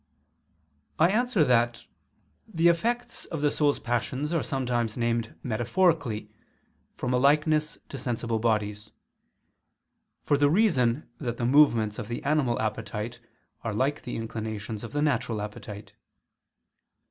I answer that, The effects of the soul's passions are sometimes named metaphorically, from a likeness to sensible bodies: for the reason that the movements of the animal appetite are like the inclinations of the natural appetite.